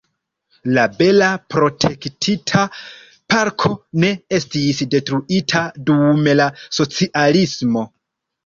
La bela protektita parko ne estis detruita dum la socialismo.